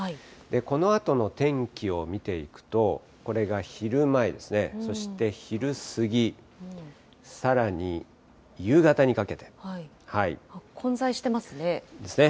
このあとの天気を見ていくと、これが昼前ですね、そして昼過ぎ、混在してますね。ですね。